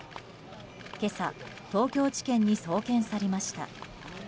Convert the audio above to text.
今朝、東京地検に送検されました。